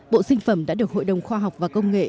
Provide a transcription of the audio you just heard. bộ sinh phẩm đã được hội đồng khoa học và công nghệ